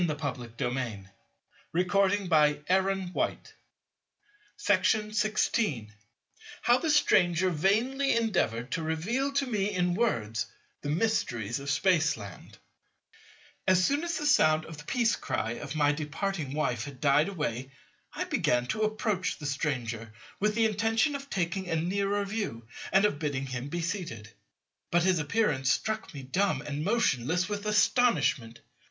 The last sands had fallen. The third Millennium had begun. § 16 How the Stranger vainly endeavoured to reveal to me in words the mysteries of Spaceland As soon as the sound of the Peace cry of my departing Wife had died away, I began to approach the Stranger with the intention of taking a nearer view and of bidding him be seated: but his appearance struck me dumb and motionless with astonishment.